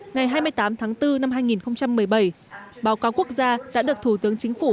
ngày hai mươi tám tháng bốn năm hai nghìn một mươi bảy báo cáo quốc gia đã được thủ tướng chính phủ